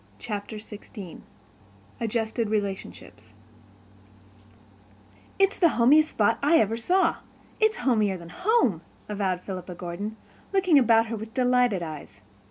Chapter XVI Adjusted Relationships "It's the homiest spot I ever saw—it's homier than home," avowed Philippa Gordon, looking about her with delighted eyes.